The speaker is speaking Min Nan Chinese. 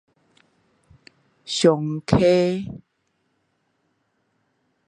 松溪